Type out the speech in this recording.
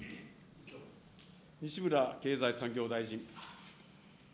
西村経済産業大臣。